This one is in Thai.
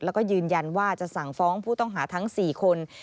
แล้วก็ยืนยันว่าจะสั่งฟ้องผู้ต้องหาทั้ง๔คน